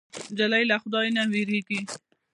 نجلۍ له خدای نه وېرېږي.